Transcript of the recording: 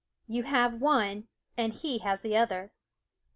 You have one, and he has the other.